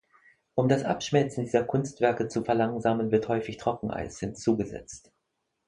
Um das Abschmelzen dieser Kunstwerke zu verlangsamen, wird häufig Trockeneis hinzugesetzt.